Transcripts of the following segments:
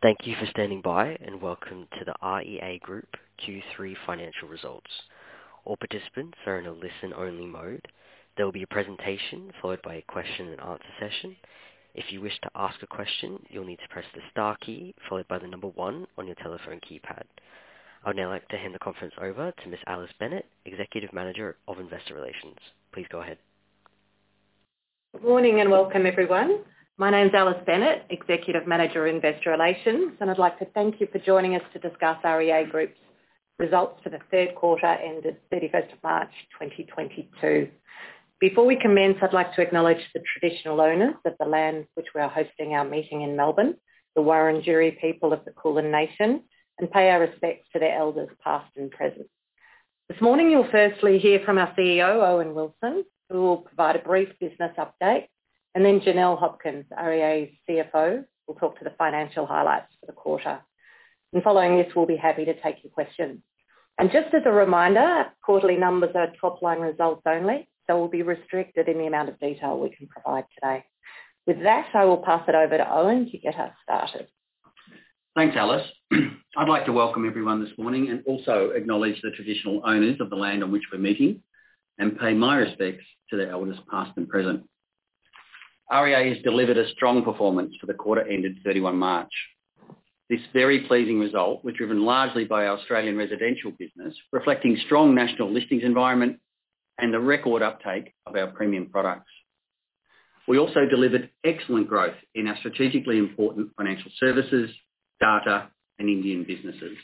Thank you for standing by, and welcome to the REA Group Q3 financial results. All participants are in a listen-only mode. There will be a presentation followed by a question and answer session. If you wish to ask a question, you'll need to press the star key followed by the number one on your telephone keypad. I would now like to hand the conference over to Ms. Alice Bennett, Executive Manager, Investor Relations. Please go ahead. Good morning, and welcome, everyone. My name's Alice Bennett, Executive Manager of Investor Relations, and I'd like to thank you for joining us to discuss REA Group's results for the third quarter ended 31st of March 2022. Before we commence, I'd like to acknowledge the traditional owners of the land which we are hosting our meeting in Melbourne, the Wurundjeri people of the Kulin nation, and pay our respects to their elders past and present. This morning, you'll firstly hear from our CEO, Owen Wilson, who will provide a brief business update, and then Janelle Hopkins, REA's CFO, will talk to the financial highlights for the quarter. Following this, we'll be happy to take your questions. Just as a reminder, quarterly numbers are top-line results only, so we'll be restricted in the amount of detail we can provide today. With that, I will pass it over to Owen to get us started. Thanks, Alice. I'd like to welcome everyone this morning and also acknowledge the traditional owners of the land on which we're meeting and pay my respects to their elders past and present. REA has delivered a strong performance for the quarter ended 31 March. This very pleasing result was driven largely by our Australian residential business, reflecting strong national listings environment and the record uptake of our premium products. We also delivered excellent growth in our strategically important financial services, data, and Indian businesses.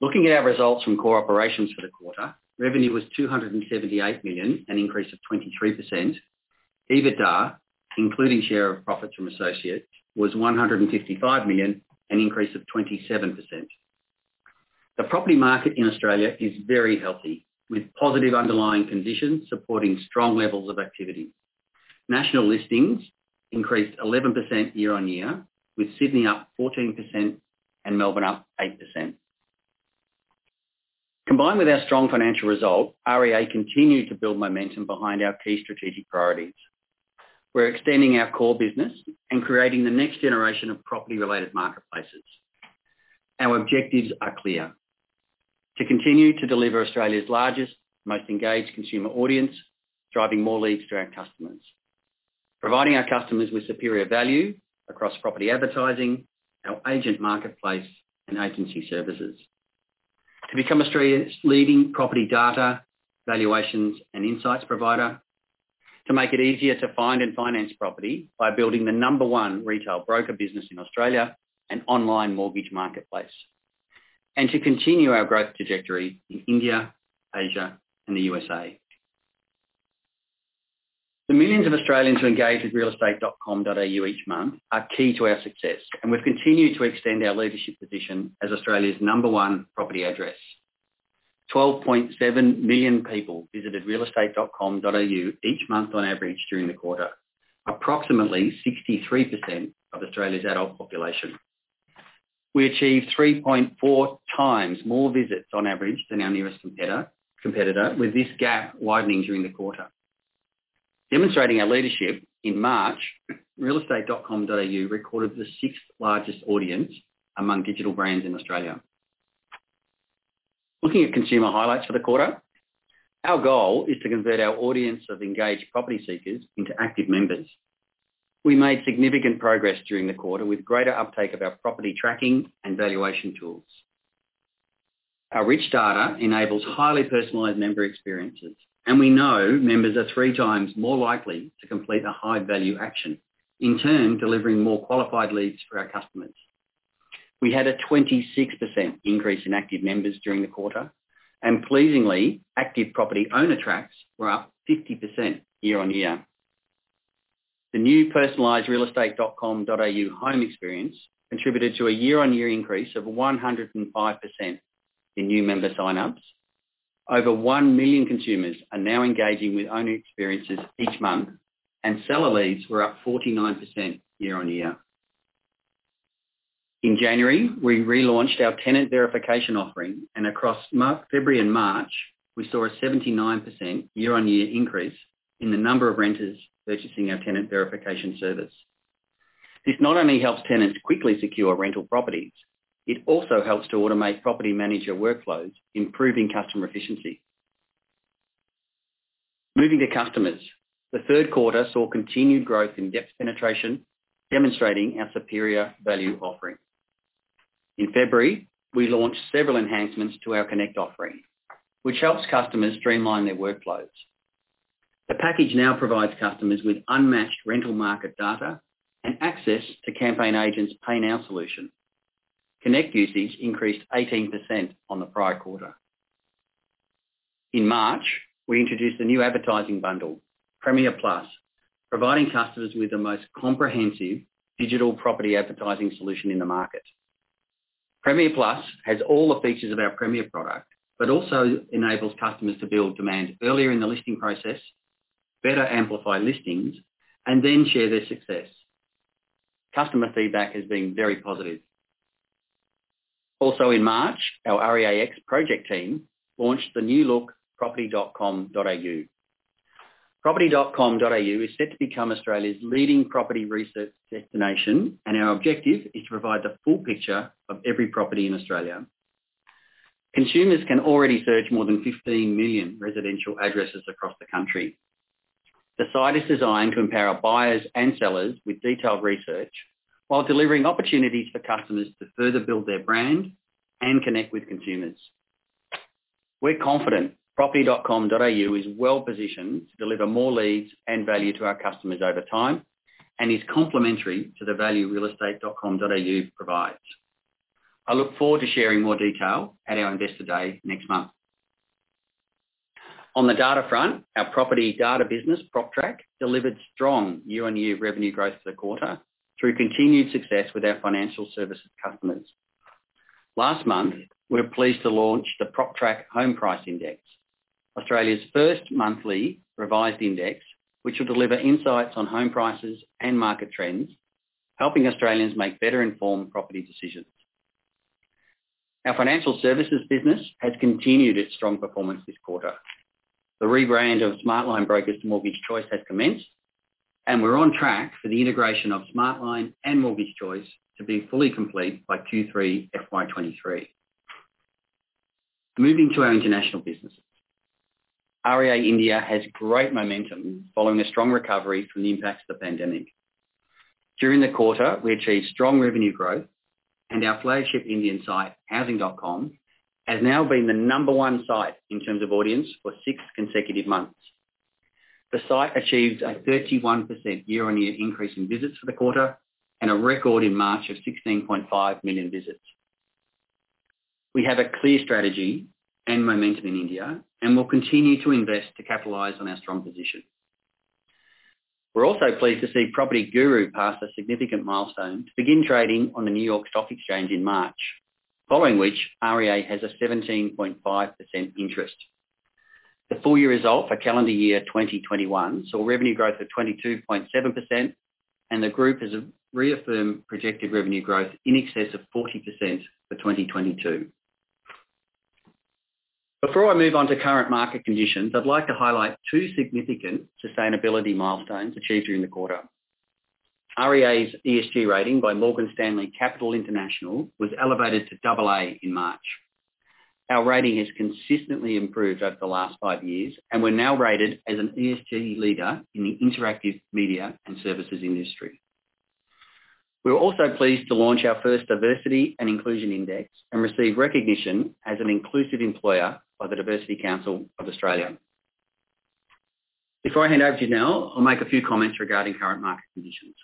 Looking at our results from core operations for the quarter, revenue was 278 million, an increase of 23%. EBITDA, including share of profits from associates, was 155 million, an increase of 27%. The property market in Australia is very healthy, with positive underlying conditions supporting strong levels of activity. National listings increased 11% year-on-year, with Sydney up 14% and Melbourne up 8%. Combined with our strong financial result, REA continued to build momentum behind our key strategic priorities. We're extending our core business and creating the next generation of property-related marketplaces. Our objectives are clear. To continue to deliver Australia's largest, most engaged consumer audience, driving more leads to our customers. Providing our customers with superior value across property advertising, our agent marketplace, and agency services. To become Australia's leading property data, valuations, and insights provider. To make it easier to find and finance property by building the number one retail broker business in Australia and online mortgage marketplace. To continue our growth trajectory in India, Asia, and the USA. The millions of Australians who engage with realestate.com.au each month are key to our success, and we've continued to extend our leadership position as Australia's number one property address. 12.7 million people visited realestate.com.au each month on average during the quarter, approximately 63% of Australia's adult population. We achieved 3.4x more visits on average than our nearest competitor, with this gap widening during the quarter. Demonstrating our leadership, in March, realestate.com.au recorded the sixth-largest audience among digital brands in Australia. Looking at consumer highlights for the quarter, our goal is to convert our audience of engaged property seekers into active members. We made significant progress during the quarter with greater uptake of our property tracking and valuation tools. Our rich data enables highly personalized member experiences, and we know members are 3x more likely to complete a high-value action, in turn, delivering more qualified leads for our customers. We had a 26% increase in active members during the quarter, and pleasingly, active property owner tracks were up 50% year-on-year. The new personalized realestate.com.au home experience contributed to a year-on-year increase of 105% in new member sign-ups. Over one million consumers are now engaging with owner experiences each month, and seller leads were up 49% year-on-year. In January, we relaunched our tenant verification offering, and across February and March, we saw a 79% year-on-year increase in the number of renters purchasing our tenant verification service. This not only helps tenants quickly secure rental properties, it also helps to automate property manager workflows, improving customer efficiency. Moving to customers, the third quarter saw continued growth in depth penetration, demonstrating our superior value offering. In February, we launched several enhancements to our Connect offering, which helps customers streamline their workflows. The package now provides customers with unmatched rental market data and access to CampaignAgent's PayNow solution. Connect usage increased 18% on the prior quarter. In March, we introduced a new advertising bundle, Premiere+, providing customers with the most comprehensive digital property advertising solution in the market. Premiere+ has all the features of our Premiere product, but also enables customers to build demand earlier in the listing process, better amplify listings, and then share their success. Customer feedback has been very positive. Also in March, our REAX project team launched the new look property.com.au. Property.com.au is set to become Australia's leading property research destination, and our objective is to provide the full picture of every property in Australia. Consumers can already search more than 15 million residential addresses across the country. The site is designed to empower buyers and sellers with detailed research, while delivering opportunities for customers to further build their brand and connect with consumers. We're confident property.com.au is well-positioned to deliver more leads and value to our customers over time, and is complementary to the value realestate.com.au provides. I look forward to sharing more detail at our Investor Day next month. On the data front, our property data business, PropTrack, delivered strong year-on-year revenue growth for the quarter through continued success with our financial services customers. Last month, we were pleased to launch the PropTrack Home Price Index, Australia's first monthly revised index, which will deliver insights on home prices and market trends, helping Australians make better-informed property decisions. Our financial services business has continued its strong performance this quarter. The rebrand of Smartline Brokers to Mortgage Choice has commenced, and we're on track for the integration of Smartline and Mortgage Choice to be fully complete by Q3 FY 2023. Moving to our international business. REA India has great momentum following a strong recovery from the impacts of the pandemic. During the quarter, we achieved strong revenue growth and our flagship Indian site, Housing.com, has now been the number one site in terms of audience for six consecutive months. The site achieved a 31% year-on-year increase in visits for the quarter, and a record in March of 16.5 million visits. We have a clear strategy and momentum in India, and we'll continue to invest to capitalize on our strong position. We're also pleased to see PropertyGuru pass a significant milestone to begin trading on the New York Stock Exchange in March, following which REA has a 17.5% interest. The full-year result for calendar year 2021 saw revenue growth of 22.7%, and the group has reaffirmed projected revenue growth in excess of 40% for 2022. Before I move on to current market conditions, I'd like to highlight two significant sustainability milestones achieved during the quarter. REA's ESG rating by Morgan Stanley Capital International was elevated to AA in March. Our rating has consistently improved over the last five years, and we're now rated as an ESG leader in the interactive media and services industry. We were also pleased to launch our first diversity and inclusion index and receive recognition as an inclusive employer by Diversity Council Australia. Before I hand over to Janelle, I'll make a few comments regarding current market conditions.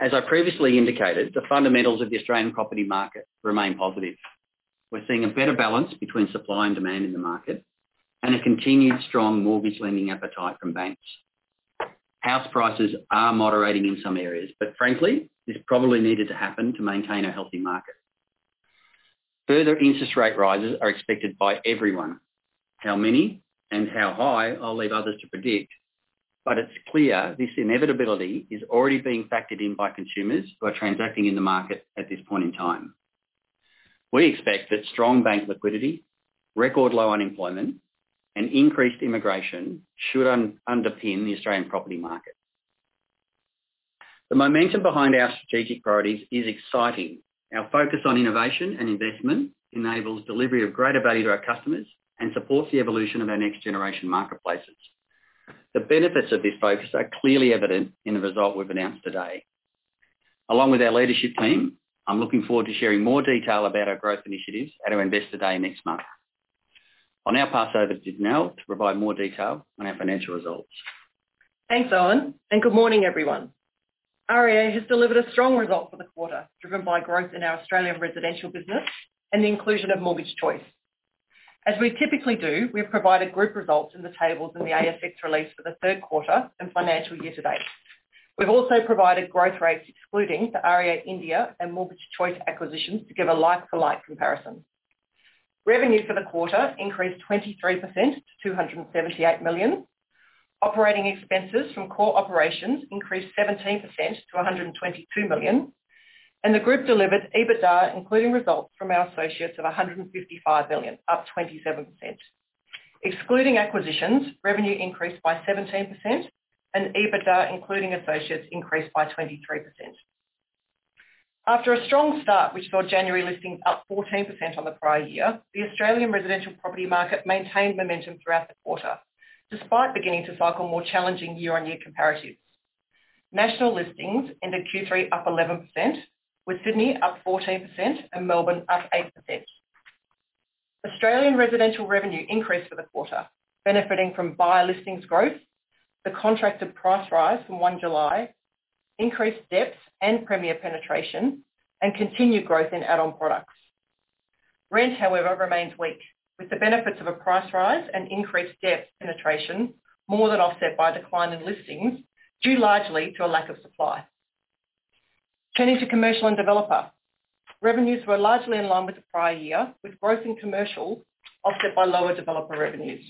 As I previously indicated, the fundamentals of the Australian property market remain positive. We're seeing a better balance between supply and demand in the market, and a continued strong mortgage lending appetite from banks. House prices are moderating in some areas, but frankly, this probably needed to happen to maintain a healthy market. Further interest rate rises are expected by everyone. How many and how high, I'll leave others to predict, but it's clear this inevitability is already being factored in by consumers who are transacting in the market at this point in time. We expect that strong bank liquidity, record low unemployment, and increased immigration should underpin the Australian property market. The momentum behind our strategic priorities is exciting. Our focus on innovation and investment enables delivery of greater value to our customers and supports the evolution of our next generation marketplaces. The benefits of this focus are clearly evident in the result we've announced today. Along with our leadership team, I'm looking forward to sharing more detail about our growth initiatives at our Investor Day next month. I'll now pass over to Janelle to provide more detail on our financial results. Thanks, Owen, and good morning, everyone. REA has delivered a strong result for the quarter, driven by growth in our Australian residential business and the inclusion of Mortgage Choice. As we typically do, we've provided group results in the tables in the ASX release for the third quarter and financial year to date. We've also provided growth rates excluding the REA India and Mortgage Choice acquisitions to give a like-for-like comparison. Revenue for the quarter increased 23% to 278 million. Operating expenses from core operations increased 17% to 122 million. The group delivered EBITDA, including results from our associates of 155 million, up 27%. Excluding acquisitions, revenue increased by 17% and EBITDA, including associates, increased by 23%. After a strong start, which saw January listings up 14% on the prior year, the Australian residential property market maintained momentum throughout the quarter, despite beginning to cycle more challenging year-on-year comparatives. National listings ended Q3 up 11%, with Sydney up 14% and Melbourne up 8%. Australian residential revenue increased for the quarter, benefiting from buyer listings growth, the contracted price rise from 1 July, increased depth and premier penetration, and continued growth in add-on products. Rent, however, remains weak, with the benefits of a price rise and increased depth penetration more than offset by a decline in listings, due largely to a lack of supply. Turning to commercial and developer. Revenues were largely in line with the prior year, with growth in commercial offset by lower developer revenues.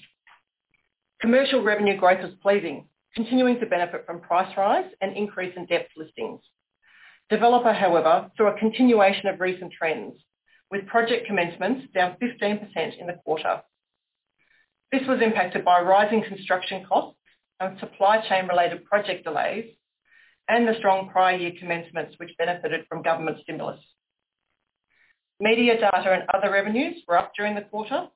Commercial revenue growth is pleasing, continuing to benefit from price rise and increase in depth listings. Developer, however, saw a continuation of recent trends, with project commencements down 15% in the quarter. This was impacted by rising construction costs and supply chain related project delays and the strong prior year commencements, which benefited from government stimulus. Media data and other revenues were up during the quarter,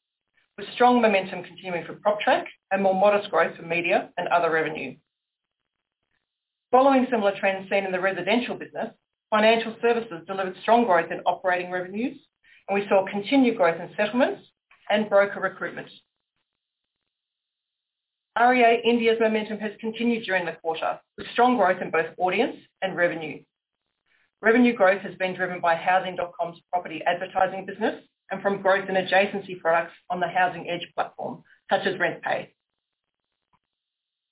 with strong momentum continuing for PropTrack and more modest growth for media and other revenue. Following similar trends seen in the residential business, financial services delivered strong growth in operating revenues, and we saw continued growth in settlements and broker recruitment. REA India's momentum has continued during the quarter, with strong growth in both audience and revenue. Revenue growth has been driven by Housing.com's property advertising business and from growth in adjacency products on the Housing Edge platform, such as RentPay.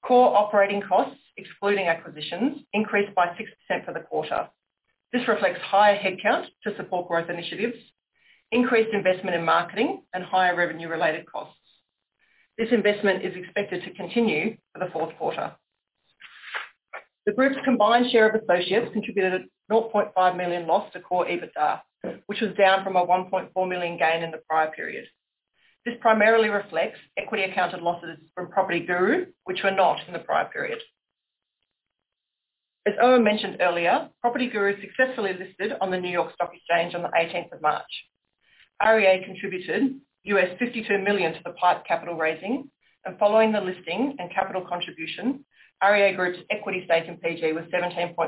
Core operating costs, excluding acquisitions, increased by 6% for the quarter. This reflects higher headcount to support growth initiatives, increased investment in marketing and higher revenue-related costs. This investment is expected to continue for the fourth quarter. The group's combined share of associates contributed a 0.5 million loss to core EBITDA, which was down from a 1.4 million gain in the prior period. This primarily reflects equity accounted losses from PropertyGuru, which were not in the prior period. As Owen mentioned earlier, PropertyGuru successfully listed on the New York Stock Exchange on the eighteenth of March. REA contributed $52 million to the PIPE capital raising and following the listing and capital contribution, REA Group's equity stake in PG was 17.5%.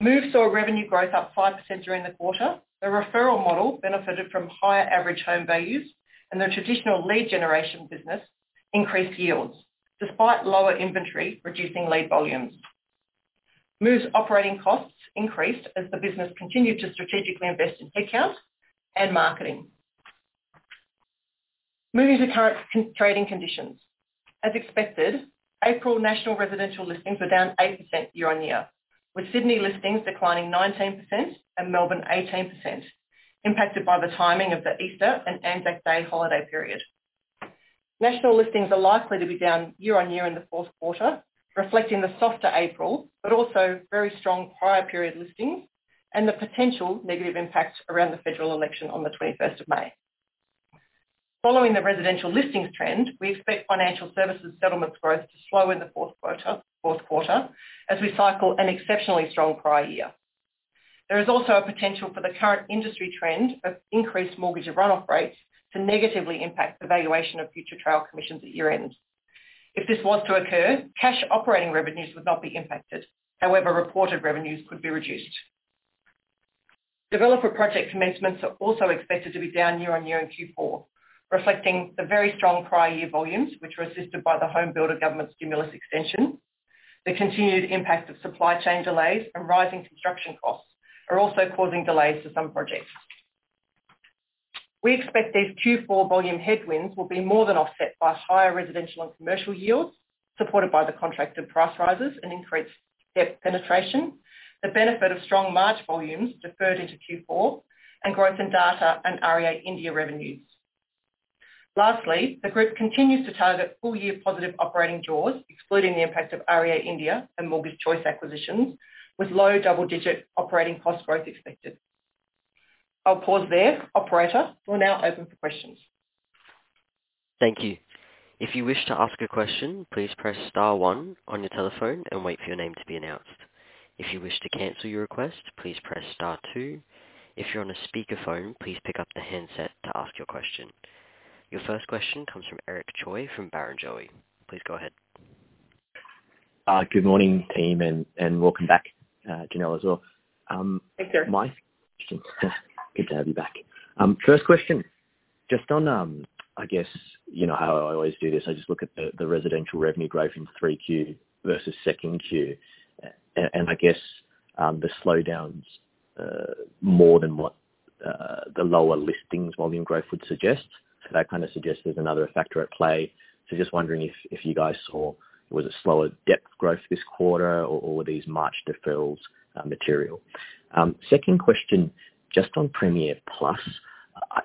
Move saw revenue growth up 5% during the quarter. The referral model benefited from higher average home values and the traditional lead generation business increased yields despite lower inventory reducing lead volumes. Move's operating costs increased as the business continued to strategically invest in headcounts and marketing. Moving to current trading conditions. As expected, April national residential listings were down 8% year-on-year, with Sydney listings declining 19% and Melbourne 18%, impacted by the timing of the Easter and Anzac Day holiday period. National listings are likely to be down year-on-year in the fourth quarter, reflecting the softer April, but also very strong prior period listings and the potential negative impact around the federal election on the 21st of May. Following the residential listings trend, we expect financial services settlements growth to slow in the fourth quarter as we cycle an exceptionally strong prior year. There is also a potential for the current industry trend of increased mortgage run-off rates to negatively impact the valuation of future trail commissions at year-end. If this was to occur, cash operating revenues would not be impacted. However, reported revenues could be reduced. Developer project commencements are also expected to be down year-on-year in Q4, reflecting the very strong prior year volumes, which were assisted by the home builder government stimulus extension. The continued impact of supply chain delays and rising construction costs are also causing delays to some projects. We expect these Q4 volume headwinds will be more than offset by higher residential and commercial yields, supported by the contracted price rises and increased depth penetration, the benefit of strong March volumes deferred into Q4, and growth in data and REA India revenues. Lastly, the group continues to target full-year positive operating jaws, excluding the impact of REA India and Mortgage Choice acquisitions, with low double-digit operating cost growth expected. I'll pause there. Operator, we'll now open for questions. Thank you. If you wish to ask a question, please press star one on your telephone and wait for your name to be announced. If you wish to cancel your request, please press star two. If you're on a speakerphone, please pick up the handset to ask your question. Your first question comes from Eric Choi from Barrenjoey. Please go ahead. Good morning, team, and welcome back, Janelle as well. Thanks, Eric. My question. Good to have you back. First question, just on, I guess you know how I always do this, I just look at the residential revenue growth in 3Q versus 2Q. And I guess, the slowdowns more than what the lower listings volume growth would suggest. That kinda suggests there's another factor at play. Just wondering if you guys saw, was it slower ad depth growth this quarter or were these March deferrals material? Second question, just on Premiere+,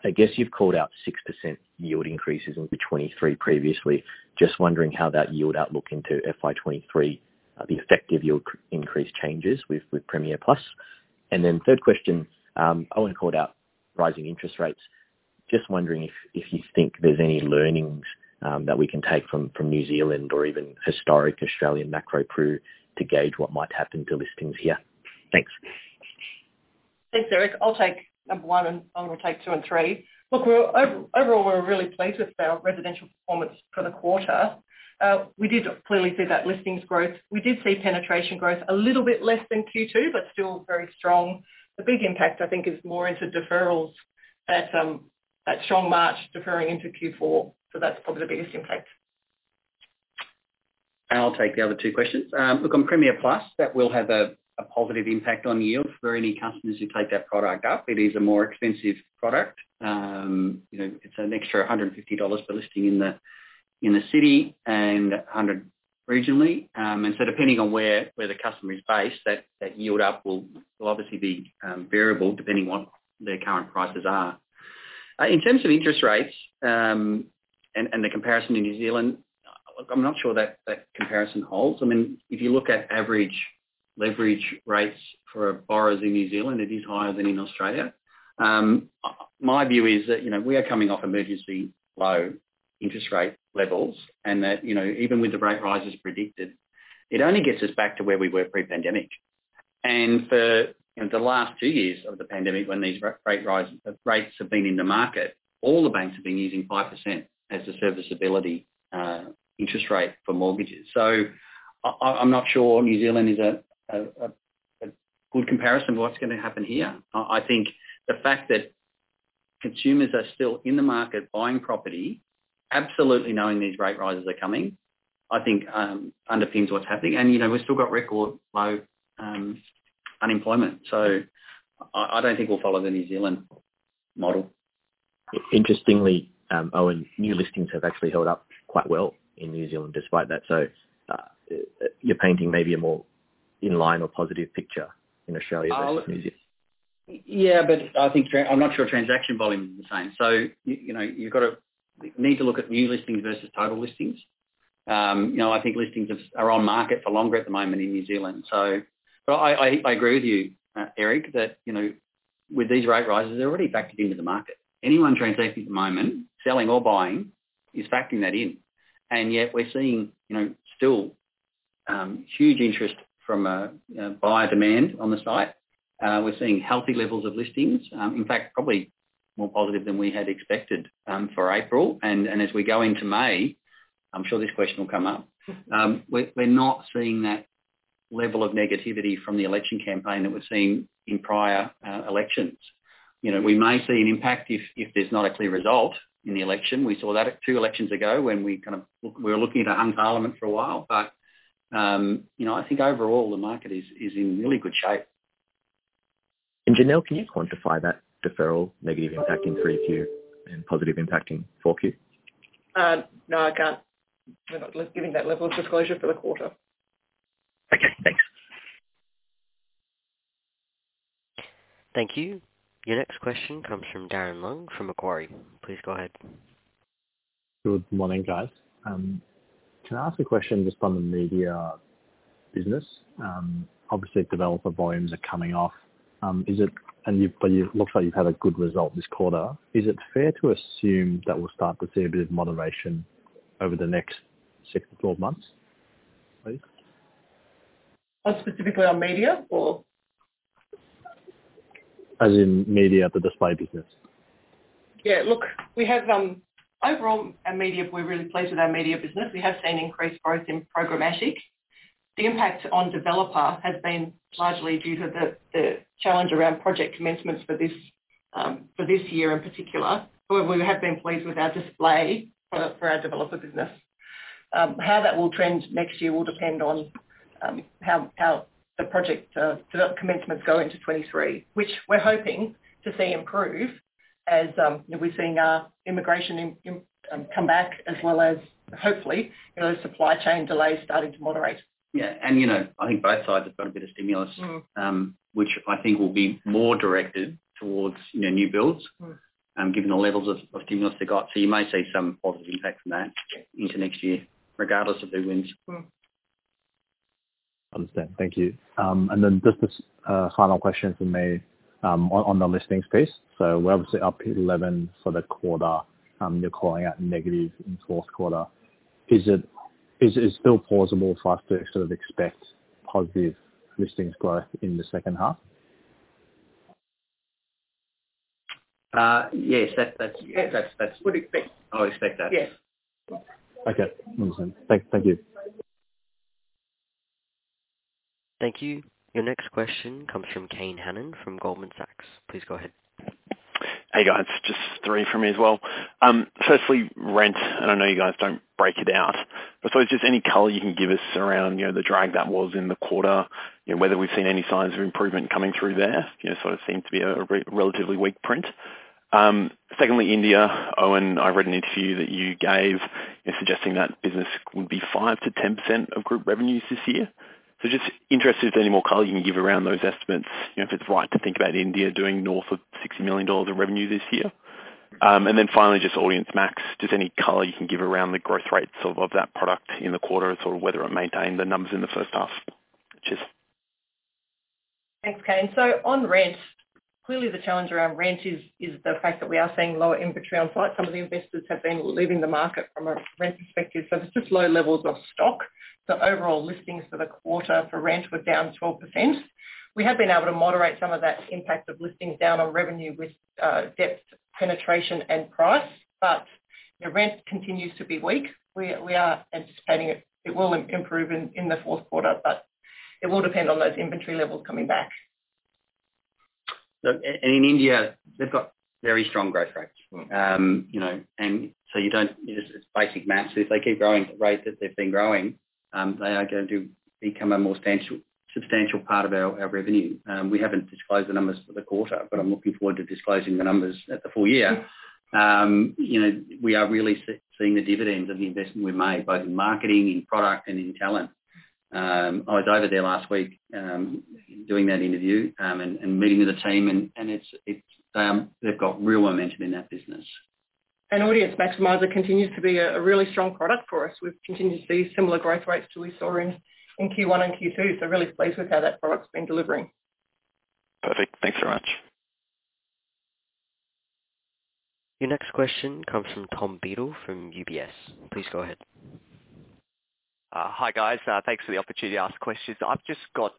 I guess you've called out 6% yield increases into 2023 previously. Just wondering how that yield outlook into FY 2023, the effect of yield increases changes with Premiere+. Then third question, Owen called out rising interest rates. Just wondering if you think there's any learnings that we can take from New Zealand or even historic Australian macro view to gauge what might happen to listings here. Thanks. Thanks, Eric. I'll take number one, and Owen will take two and three. Look, overall, we're really pleased with our residential performance for the quarter. We did clearly see that listings growth. We did see penetration growth a little bit less than Q2, but still very strong. The big impact, I think, is more into deferrals. That strong March deferring into Q4, so that's probably the biggest impact. I'll take the other two questions. Look, on Premiere+, that will have a positive impact on yield for any customers who take that product up. It is a more expensive product. You know, it's an extra 150 dollars per listing in the city and 100 regionally. Depending on where the customer is based, that yield up will obviously be variable depending on what their current prices are. In terms of interest rates and the comparison in New Zealand, I'm not sure that comparison holds. I mean, if you look at average leverage rates for borrowers in New Zealand, it is higher than in Australia. My view is that, you know, we are coming off emergency low interest rate levels and that, you know, even with the rate rises predicted, it only gets us back to where we were pre-pandemic. For the last two years of the pandemic when these rate rise rates have been in the market, all the banks have been using 5% as the serviceability interest rate for mortgages. I'm not sure New Zealand is a good comparison of what's gonna happen here. I think the fact that consumers are still in the market buying property, absolutely knowing these rate rises are coming, I think underpins what's happening. You know, we've still got record low unemployment. I don't think we'll follow the New Zealand model. Interestingly, Owen, new listings have actually held up quite well in New Zealand despite that. You're painting maybe a more in line or positive picture in Australia versus New Zealand. I think I'm not sure transaction volume is the same. You know, you need to look at new listings versus total listings. You know, I think listings are on market for longer at the moment in New Zealand. I agree with you, Eric, that, you know, with these rate rises, they're already factored into the market. Anyone transacting at the moment, selling or buying, is factoring that in. Yet we're seeing, you know, still, huge interest from a buyer demand on the site. We're seeing healthy levels of listings, in fact, probably more positive than we had expected, for April. And as we go into May, I'm sure this question will come up. We're not seeing that level of negativity from the election campaign that we're seeing in prior elections. You know, we may see an impact if there's not a clear result in the election. We saw that a few elections ago when we were looking at a hung parliament for a while. You know, I think overall the market is in really good shape. Janelle, can you quantify that deferral negative impact in 3Q and positive impact in 4Q? No, I can't. We're not giving that level of disclosure for the quarter. Okay. Thanks. Thank you. Your next question comes from Darren Leung from Macquarie. Please go ahead. Good morning, guys. Can I ask a question just on the media business? Obviously, developer volumes are coming off. It looks like you've had a good result this quarter. Is it fair to assume that we'll start to see a bit of moderation over the next six to 12 months, please? On specifically on media or? As in media, the display business. Yeah. Look, we have. Overall, our media, we're really pleased with our media business. We have seen increased growth in programmatic. The impact on developer has been largely due to the challenge around project commencements for this year in particular. We have been pleased with our display for our developer business. How that will trend next year will depend on how the project development commencements go into 2023, which we're hoping to see improve as we're seeing immigration come back as well as hopefully, you know, supply chain delays starting to moderate. Yeah. You know, I think both sides have got a bit of stimulus, which I think will be more directed towards, you know, new builds. Given the levels of stimulus they got. You may see some positive impact from that into next year, regardless of who wins. Understand. Thank you. Just a final question from me, on the listings piece. We're obviously up 11% for the quarter. You're calling out negative in fourth quarter. Is it still plausible for us to sort of expect positive listings growth in the second half? Yes. That's. Yes. That's. Would expect. I would expect that. Yes. Okay. Understand. Thank you. Thank you. Your next question comes from Kane Hannan from Goldman Sachs. Please go ahead. Hey, guys. Just three from me as well. Firstly, rent, and I know you guys don't break it out, but it's just any color you can give us around, you know, the drag that was in the quarter and whether we've seen any signs of improvement coming through there. You know, it sort of seemed to be a relatively weak print. Secondly, India. Owen, I read an interview that you gave in suggesting that business would be 5%-10% of group revenues this year. Just interested if there's any more color you can give around those estimates, you know, if it's right to think about India doing north of 60 million dollars in revenue this year. Finally, just Audience Maximiser, just any color you can give around the growth rates of that product in the quarter and sort of whether it maintained the numbers in the first half. Cheers. Thanks, Kane. On rent, clearly the challenge around rent is the fact that we are seeing lower inventory on site. Some of the investors have been leaving the market from a rent perspective, so there's just low levels of stock. Overall listings for the quarter for rent were down 12%. We have been able to moderate some of that impact of listings down on revenue with depth, penetration, and price. You know, rent continues to be weak. We are anticipating it will improve in the fourth quarter, but it will depend on those inventory levels coming back. In India, they've got very strong growth rates. You know, you don't. It's just basic math. If they keep growing at rates that they've been growing, they are going to become a more substantial part of our revenue. We haven't disclosed the numbers for the quarter, but I'm looking forward to disclosing the numbers at the full-year. You know, we are really seeing the dividends of the investment we made, both in marketing, in product, and in talent. I was over there last week, doing that interview, and meeting with the team, and it's, they've got real momentum in that business. Audience Maximiser continues to be a really strong product for us. We've continued to see similar growth rates to we saw in Q1 and Q2. Really pleased with how that product's been delivering. Perfect. Thanks very much. Your next question comes from Tom Beadle from UBS. Please go ahead. Hi, guys. Thanks for the opportunity to ask questions. I've just got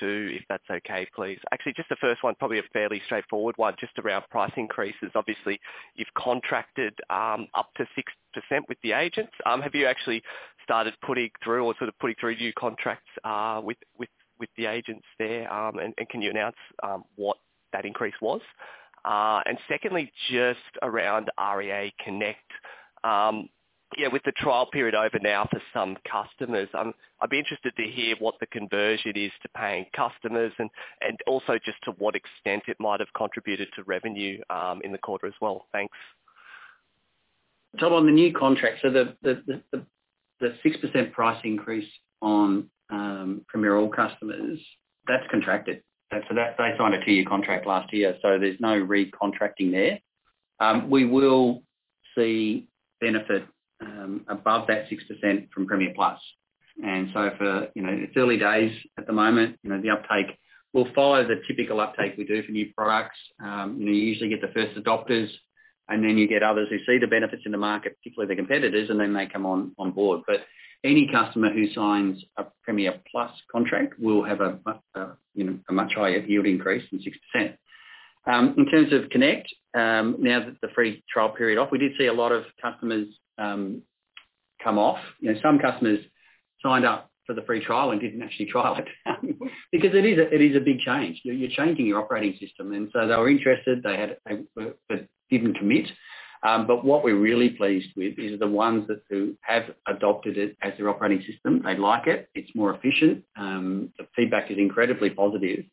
two, if that's okay, please. Actually, just the first one, probably a fairly straightforward one, just around price increases. Obviously, you've contracted up to 6% with the agents. Have you actually started putting through or sort of putting through new contracts with the agents there? And can you announce what that increase was? Secondly, just around REA Connect. Yeah, with the trial period over now for some customers, I'd be interested to hear what the conversion is to paying customers and also just to what extent it might have contributed to revenue in the quarter as well. Thanks. On the new contract, the 6% price increase on Premiere All customers, that's contracted. They signed a two-year contract last year, so there's no re-contracting there. We will see benefit above that 6% from Premiere+. It's early days at the moment, you know, the uptake will follow the typical uptake we do for new products. You usually get the first adopters, and then you get others who see the benefits in the market, particularly the competitors, and then they come on board. Any customer who signs a Premiere+ contract will have a, you know, a much higher yield increase than 6%. In terms of Connect, now that the free trial period off, we did see a lot of customers come off. You know, some customers signed up for the free trial and didn't actually trial it because it is a big change. You're changing your operating system. They were interested, but didn't commit. What we're really pleased with is the ones who have adopted it as their operating system, they like it. It's more efficient. The feedback is incredibly positive,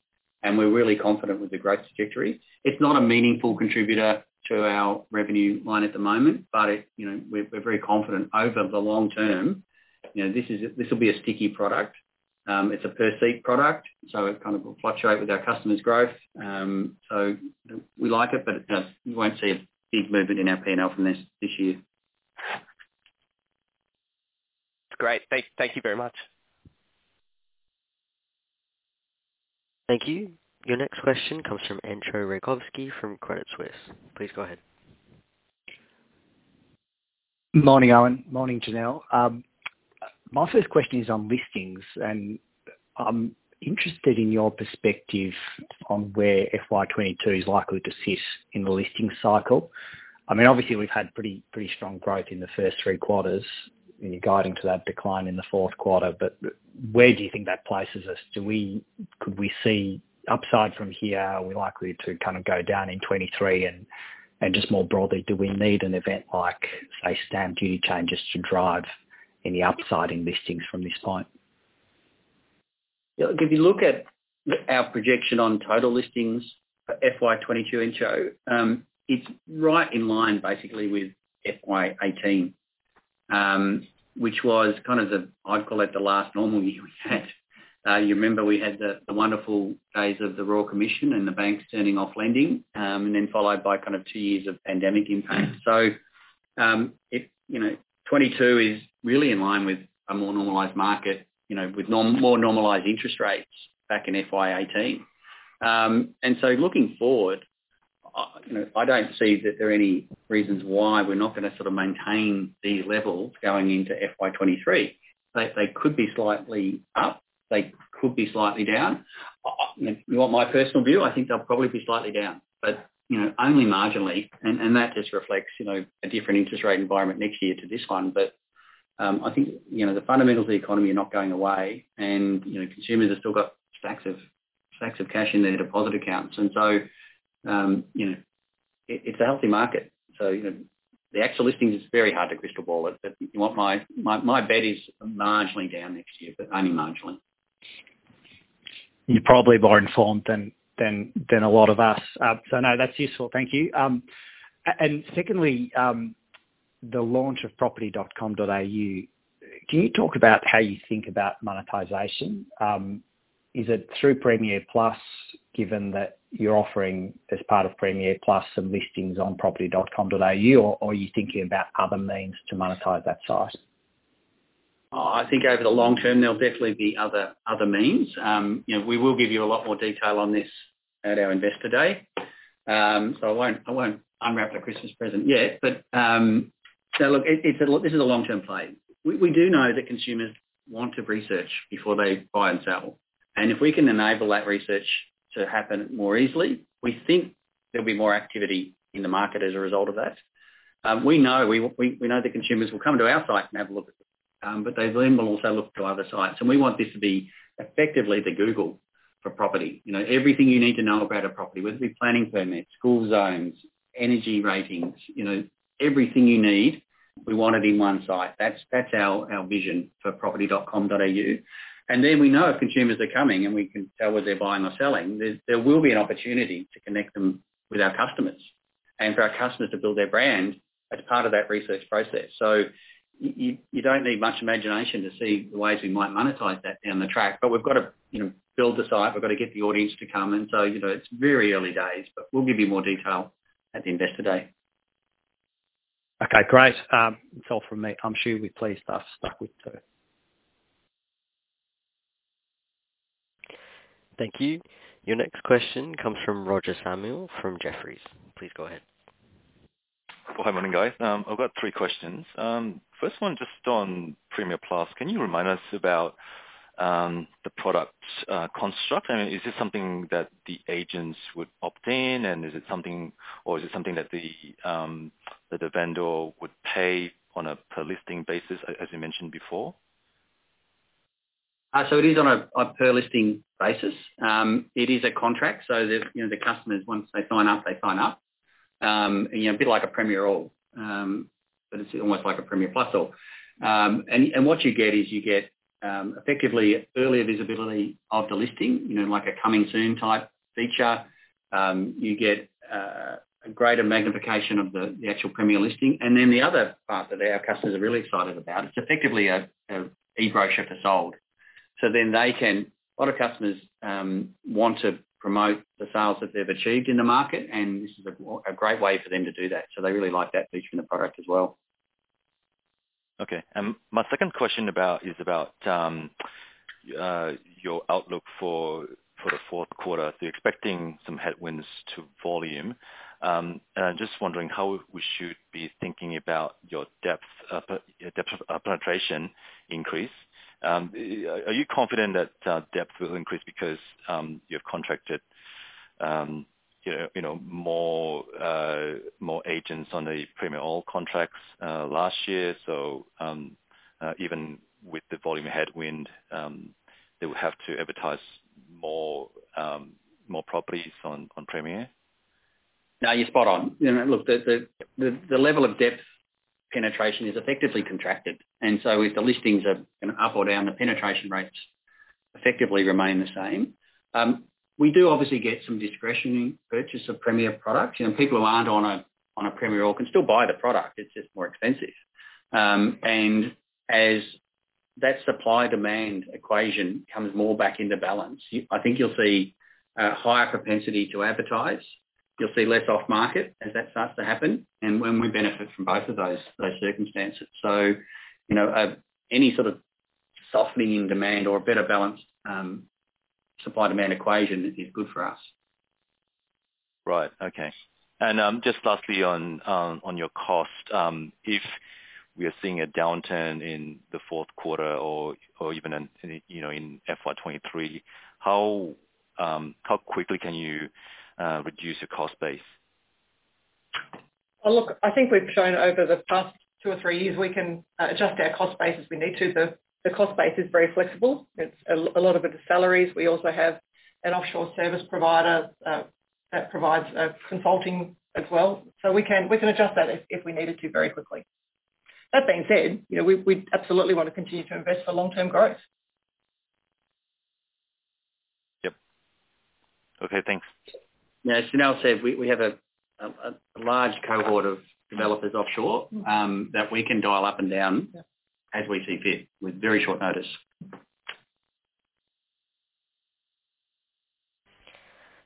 and we're really confident with the growth trajectory. It's not a meaningful contributor to our revenue line at the moment, but you know, we're very confident over the long term, you know, this will be a sticky product. It's a per-seat product, so it kind of will fluctuate with our customers' growth. We like it, but you won't see a big movement in our P&L from this year. Great. Thank you very much. Thank you. Your next question comes from Entcho Raykovski from Credit Suisse. Please go ahead. Morning, Owen. Morning, Janelle. My first question is on listings, and I'm interested in your perspective on where FY 2022 is likely to sit in the listing cycle. I mean, obviously we've had pretty strong growth in the first three quarters, and you're guiding to that decline in the fourth quarter, but where do you think that places us? Could we see upside from here? Are we likely to kind of go down in 2023? And just more broadly, do we need an event like, say, stamp duty changes to drive any upside in listings from this point? Yeah, if you look at our projection on total listings for FY 2022, Entcho, it's right in line basically with FY 2018, which was kind of the, I'd call it the last normal year we had. You remember we had the wonderful days of the Royal Commission and the banks turning off lending, and then followed by kind of two years of pandemic impact. It, you know, 2022 is really in line with a more normalized market, you know, with more normalized interest rates back in FY 2018. Looking forward, I, you know, I don't see that there are any reasons why we're not gonna sort of maintain the levels going into FY 2023. They could be slightly up. They could be slightly down. If you want my personal view, I think they'll probably be slightly down, but, you know, only marginally. that just reflects, you know, a different interest rate environment next year to this one. I think, you know, the fundamentals of the economy are not going away and, you know, consumers have still got stacks of cash in their deposit accounts. you know, it's a healthy market. you know, the actual listings is very hard to crystal ball it. if you want my bet is marginally down next year, but only marginally. You're probably more informed than a lot of us. No, that's useful. Thank you. Secondly, the launch of property.com.au, can you talk about how you think about monetization? Is it through Premiere+, given that you're offering as part of Premiere+ some listings on property.com.au, or are you thinking about other means to monetize that site? I think over the long term, there'll definitely be other means. You know, we will give you a lot more detail on this at our Investor Day. I won't unwrap the Christmas present yet. Look, this is a long-term play. We do know that consumers want to research before they buy and sell. If we can enable that research to happen more easily, we think there'll be more activity in the market as a result of that. We know that consumers will come to our site and have a look at, but they then will also look to other sites. We want this to be effectively the Google for property. You know, everything you need to know about a property, whether it be planning permits, school zones, energy ratings, you know. We want it in one site. That's our vision for property.com.au. We know if consumers are coming, and we can tell whether they're buying or selling, there will be an opportunity to connect them with our customers and for our customers to build their brand as part of that research process. You don't need much imagination to see the ways we might monetize that down the track. We've gotta, you know, build the site. We've gotta get the audience to come. You know, it's very early days, but we'll give you more detail at the Investor Day. Okay, great. That's all from me. I'm sure we've pleased staff stuck with two. Thank you. Your next question comes from Roger Samuel from Jefferies. Please go ahead. Well, hi, morning, guys. I've got three questions. First one just on Premiere+. Can you remind us about the product construct? And is this something that the agents would opt in, or is it something that the vendor would pay on a per listing basis, as you mentioned before? It is on a per listing basis. It is a contract, you know, the customers, once they sign up, they sign up. You know, a bit like a Premiere or, but it's almost like a Premiere+ or. What you get is effectively earlier visibility of the listing, you know, like a coming soon type feature. You get a greater magnification of the actual Premiere listing. The other part that our customers are really excited about is effectively a e-brochure for sold. A lot of customers want to promote the sales that they have achieved in the market, and this is a great way for them to do that. They really like that feature in the product as well. Okay. My second question about your outlook for the fourth quarter. You're expecting some headwinds to volume, and I'm just wondering how we should be thinking about your depth of penetration increase. Are you confident that depth will increase because you've contracted, you know, more agents on the Premiere All contracts last year, so they will have to advertise more properties on Premiere? No, you're spot on. You know, look, the level of depth penetration is effectively contracted. If the listings are gonna up or down, the penetration rates effectively remain the same. We do obviously get some discretion in purchase of Premiere products. You know, people who aren't on a Premiere All can still buy the product. It's just more expensive. As that supply-demand equation comes more back into balance, I think you'll see a higher propensity to advertise. You'll see less off market as that starts to happen. When we benefit from both of those circumstances. You know, any sort of softening in demand or a better balanced supply-demand equation is good for us. Right. Okay. Just lastly on your cost. If we are seeing a downturn in the fourth quarter or even in, you know, in FY 2023, how quickly can you reduce your cost base? Look, I think we've shown over the past two or three years we can adjust our cost base as we need to. The cost base is very flexible. It's a lot of it is salaries. We also have an offshore service provider that provides consulting as well. We can adjust that if we needed to very quickly. That being said, you know, we absolutely wanna continue to invest for long-term growth. Yep. Okay, thanks. Yeah, as Janelle said, we have a large cohort of developers offshore that we can dial up and down, as we see fit with very short notice.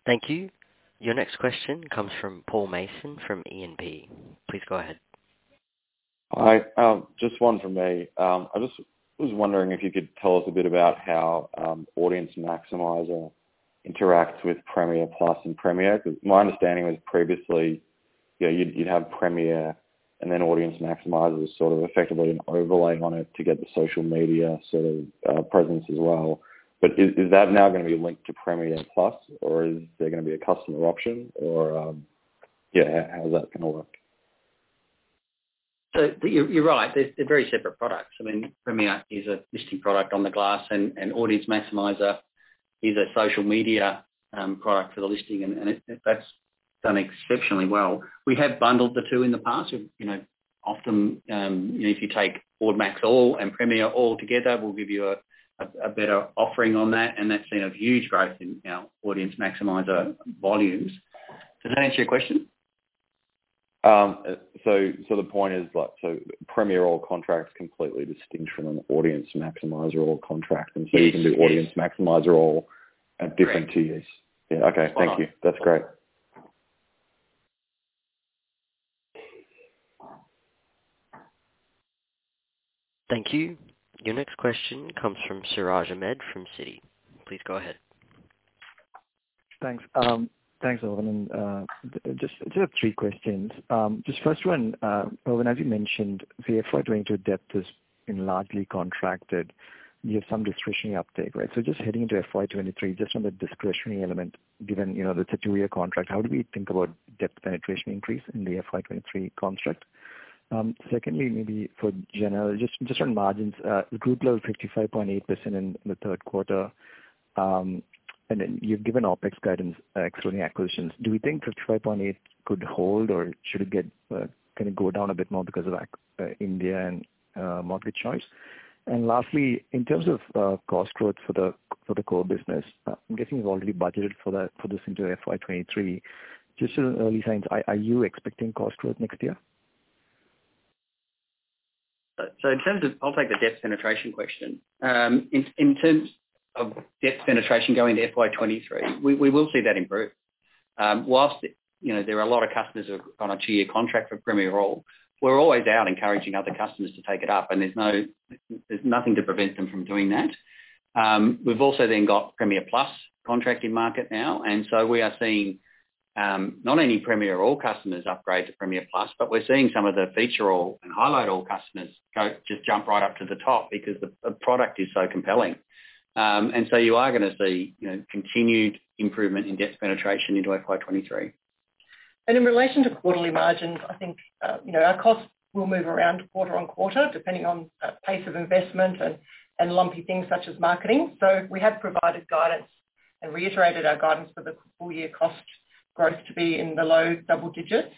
Thank you. Your next question comes from Paul Mason from E&P. Please go ahead. Hi. Just one from me. I just was wondering if you could tell us a bit about how Audience Maximiser interacts with Premiere+ and Premiere? Because my understanding was previously, you know, you'd have Premiere and then Audience Maximiser as sort of effectively an overlay on it to get the social media sort of presence as well. Is that now gonna be linked to Premiere+ or is there gonna be a customer option or yeah, how's that gonna work? You're right. They're very separate products. I mean, Premiere is a listing product on the platform and Audience Maximiser is a social media product for the listing and that's done exceptionally well. We have bundled the two in the past. You know, often, you know, if you take AudMax All and Premiere All together, we'll give you a better offering on that, and that's been a huge growth in our Audience Maximiser volumes. Does that answer your question? The point is like, so Premiere All contract's completely distinct from an Audience Maximiser All contract- It is. You can do Audience Maximiser All at different tiers. Correct. Yeah. Okay. Thank you. Spot on. That's great. Thank you. Your next question comes from Siraj Ahmed from Citi. Please go ahead. Thanks. Thanks, Owen, and just have three questions. Just first one, Owen, as you mentioned, the FY 2022 depth has been largely contracted. You have some discretionary uptake, right? Just heading into FY 2023, just on the discretionary element, given, you know, it's a two-year contract, how do we think about depth penetration increase in the FY 2023 construct? Secondly, maybe for Janelle, just on margins, the group level 55.8% in the third quarter. Then you've given OpEx guidance, excluding acquisitions. Do we think 55.8% could hold, or should it get kind of go down a bit more because of India and Mortgage Choice? Lastly, in terms of cost growth for the core business, I'm guessing you've already budgeted for that, for this into FY 2023. Just as early signs, are you expecting cost growth next year? In terms of, I'll take the ad penetration question. In terms of ad penetration going to FY 2023, we will see that improve. While, you know, there are a lot of customers are on a two-year contract for Premiere All, we're always out encouraging other customers to take it up, and there's nothing to prevent them from doing that. We've also then got Premiere+ contract in market now, and so we are seeing not only Premiere All customers upgrade to Premiere+, but we're seeing some of the Feature All and Highlight All customers go, just jump right up to the top because the product is so compelling. And so you are gonna see, you know, continued improvement in ad penetration into FY 2023. In relation to quarterly margins, I think, you know, our costs will move around quarter on quarter, depending on pace of investment and lumpy things such as marketing. We have provided guidance and reiterated our guidance for the full-year cost growth to be in the low double digits.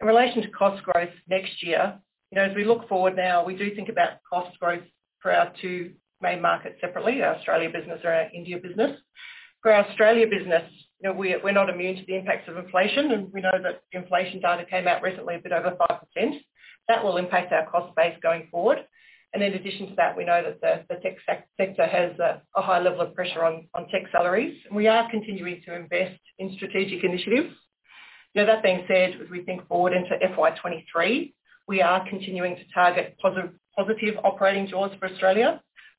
In relation to cost growth next year, you know, as we look forward now, we do think about cost growth for our two main markets separately, our Australia business or our India business. For our Australia business, you know, we're not immune to the impacts of inflation, and we know that the inflation data came out recently a bit over 5%. That will impact our cost base going forward. In addition to that, we know that the tech sector has a high level of pressure on tech salaries. We are continuing to invest in strategic initiatives. You know, that being said, as we think forward into FY 2023, we are continuing to target positive operating jaws for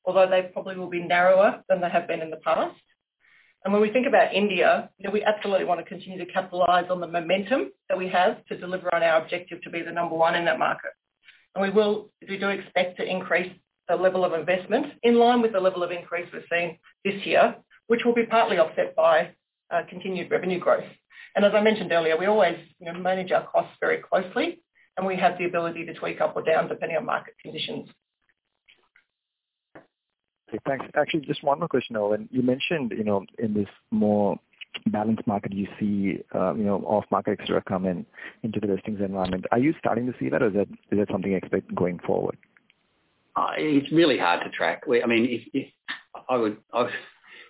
Australia, although they probably will be narrower than they have been in the past. When we think about India, you know, we absolutely wanna continue to capitalize on the momentum that we have to deliver on our objective to be the number one in that market. We do expect to increase the level of investment in line with the level of increase we're seeing this year, which will be partly offset by continued revenue growth. As I mentioned earlier, we always, you know, manage our costs very closely, and we have the ability to tweak up or down depending on market conditions. Okay, thanks. Actually, just one more question. You mentioned, you know, in this more balanced market, you see, you know, off-market extra come in, into the listings environment. Are you starting to see that or is that something you expect going forward? It's really hard to track. I mean, if I would, I'd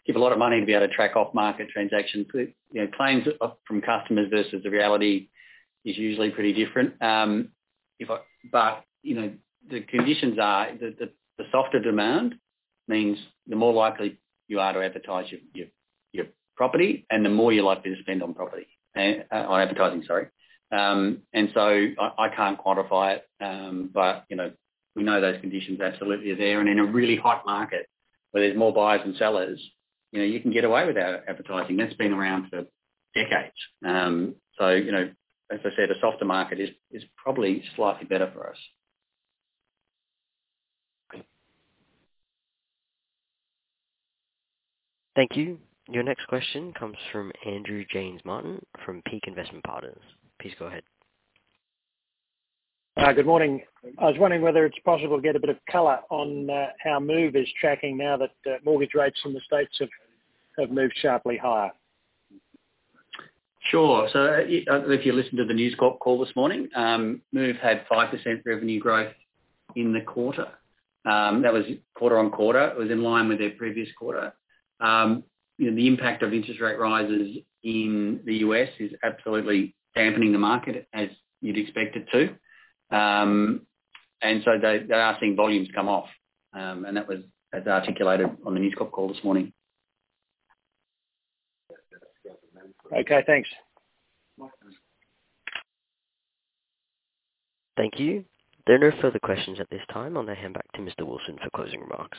give a lot of money to be able to track off-market transactions. You know, claims from customers versus the reality is usually pretty different. You know, the conditions are the softer demand means the more likely you are to advertise your property and the more you're likely to spend on property. On advertising, sorry. I can't quantify it, but you know, we know those conditions absolutely are there. In a really hot market where there's more buyers than sellers, you know, you can get away without advertising. That's been around for decades. You know, as I said, a softer market is probably slightly better for us. Great. Thank you. Your next question comes from Andrew Martin from Peak Investment Partners. Please go ahead. Good morning. I was wondering whether it's possible to get a bit of color on how Move is tracking now that mortgage rates in the States have moved sharply higher? Sure. If you listen to the News Corp call this morning, Move had 5% revenue growth in the quarter. That was quarter-on-quarter. You know, the impact of interest rate rises in the U.S. is absolutely dampening the market as you'd expect it to. They are seeing volumes come off. That was as articulated on the News Corp call this morning. Okay, thanks. Thank you. There are no further questions at this time. I'll now hand back to Mr. Wilson for closing remarks.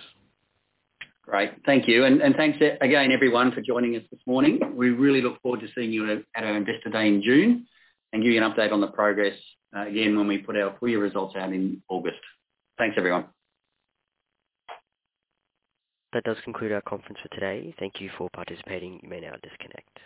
Great. Thank you. And thanks again, everyone, for joining us this morning. We really look forward to seeing you at our Investor Day in June and give you an update on the progress, again, when we put our full-year results out in August. Thanks, everyone. That does conclude our conference for today. Thank you for participating. You may now disconnect.